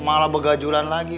malah begajulan lagi